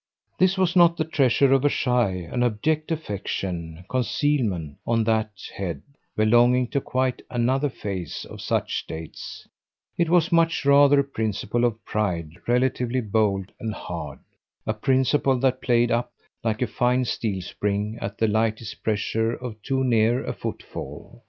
This was not the treasure of a shy, an abject affection concealment, on that head, belonging to quite another phase of such states; it was much rather a principle of pride relatively bold and hard, a principle that played up like a fine steel spring at the lightest pressure of too near a footfall.